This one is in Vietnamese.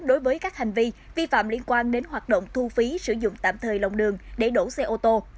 đối với các hành vi vi phạm liên quan đến hoạt động thu phí sử dụng tạm thời lòng đường để đổ xe ô tô